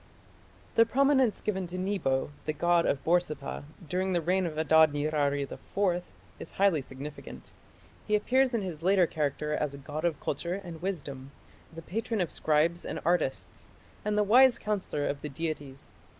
The prominence given to Nebo, the god of Borsippa, during the reign of Adad nirari IV is highly significant. He appears in his later character as a god of culture and wisdom, the patron of scribes and artists, and the wise counsellor of the deities.